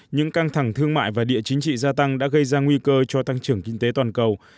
những căng thẳng thương mại và địa chính trị gia tăng đã gây ra nguy cơ cho tăng trưởng kinh tế toàn cầu